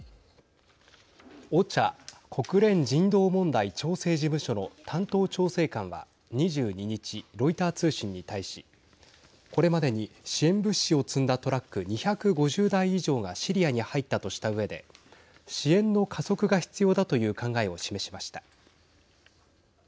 ＯＣＨＡ＝国連人道問題調整事務所の担当調整官は２２日ロイター通信に対しこれまでに支援物資を積んだトラック２５０台以上がシリアに入ったとしたうえで支援の加速が必要だという考えを示しました。